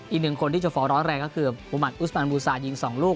อีกหนึ่งคนที่จะฟอร์ร้อนแรงก็คือมุมัติอุสมันบูซายิง๒ลูก